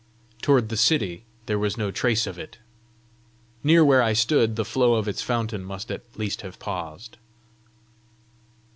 Toward the city, there was no trace of it. Near where I stood, the flow of its fountain must at least have paused!